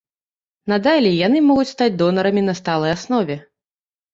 Надалей яны могуць стаць донарамі на сталай аснове.